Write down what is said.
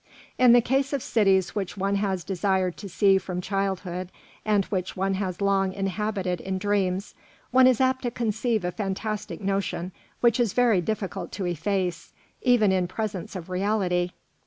In the case of cities which one has desired to see from childhood, and which one has long inhabited in dreams, one is apt to conceive a fantastic notion which it is very difficult to efface, even in presence of reality.